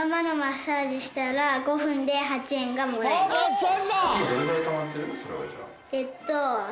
マッサージだ！